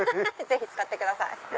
ぜひ使ってください。